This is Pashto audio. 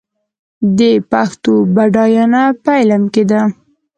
د پښتو بډاینه په علم کې ده.